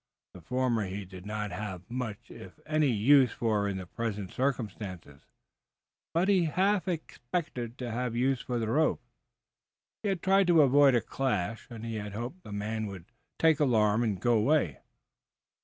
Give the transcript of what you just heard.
The former he did not have much if any use for in the present circumstances, but he half expected to have use for the rope. He had tried to avoid a clash, and he hoped the man would take alarm and go away.